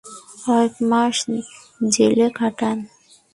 কয়েকমাস জেলে কাটান।